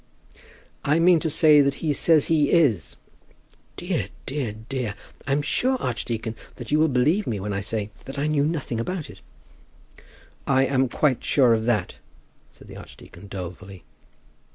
"I mean to say that he says he is." "Dear, dear, dear! I'm sure, archdeacon, that you will believe me when I say that I knew nothing about it." "I am quite sure of that," said the archdeacon dolefully.